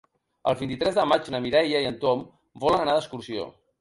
El vint-i-tres de maig na Mireia i en Tom volen anar d'excursió.